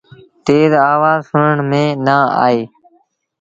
تيز آوآز سُڻڻ ميݩ نا آئي۔